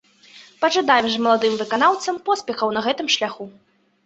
Пажадаем жа маладым выканаўцам поспехаў на гэтым шляху.